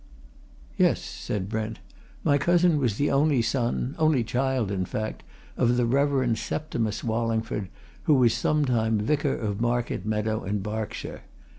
"Yes," said Brent. "My cousin was the only son only child, in fact of the Reverend Septimus Wallingford, who was sometime Vicar of Market Meadow, in Berkshire.